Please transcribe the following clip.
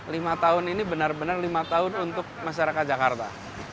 lima tahun ini benar benar lima tahun untuk masyarakat jakarta